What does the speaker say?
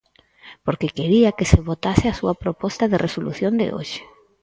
Porque quería que se votase a súa proposta de resolución de hoxe.